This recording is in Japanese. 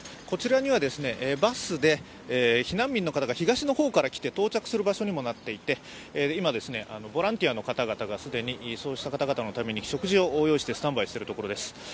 こちらにはバスで避難民の方が東の方から来て到着する場所にもなっていて今、ボランティアの方々がそうした方々のために食事を用意してスタンバイしているところです。